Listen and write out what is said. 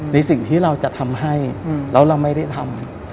ในสิ่งที่เราจะทำให้แล้วเราไม่ได้ทำ